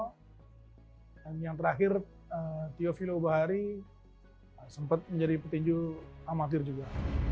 dan yang terakhir tio filo bahari sempat menjadi petinju amatir juga